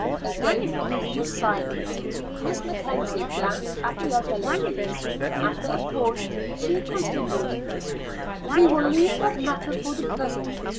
Again Ruth was silent. Miss Mackenzie glanced at the other ladies. After a pause she continued: "We will leave that matter for the present.